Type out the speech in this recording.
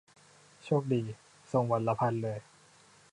โชคดี' ส่งวันละพันเลย